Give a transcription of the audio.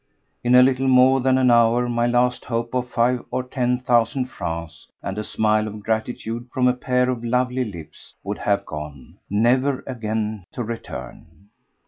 In a little more than an hour my last hope of five or ten thousand francs and a smile of gratitude from a pair of lovely lips would have gone, never again to return.